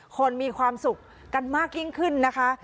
คนมีความสุขกันมากยิ่งขึ้นนะคะ